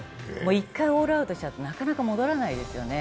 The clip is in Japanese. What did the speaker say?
１回、オールアウトしちゃうとなかなか戻らないですよね。